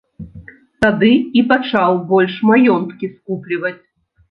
Тады і пачаў больш маёнткі скупліваць.